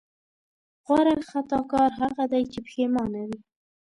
غوره خطاکار هغه دی چې پښېمانه وي.